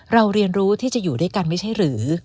เรียนรู้ที่จะอยู่ด้วยกันไม่ใช่หรือ